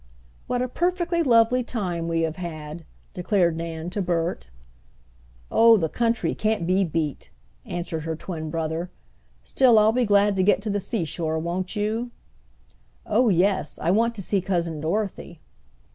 "What a perfectly lovely time we have had!" declared Nan to Bert. "Oh, the country can't be beat!" answered her twin brother. "Still, I'll be glad to get to the seashore, won't you?" "Oh yes; I want to see Cousin Dorothy."